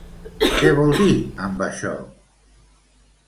Què vol dir, amb això?